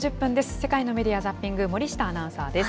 世界のメディア・ザッピング、森下アナウンサーです。